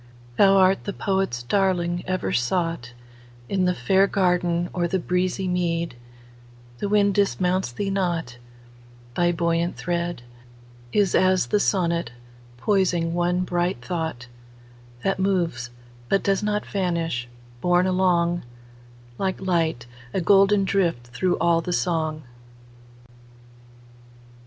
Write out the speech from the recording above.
Thou art the poet's darling, ever soughtIn the fair garden or the breezy mead; The wind dismounts thee not; thy buoyant threadIs as the sonnet, poising one bright thought, That moves but does not vanish: borne alongLike light,—a golden drift through all the song!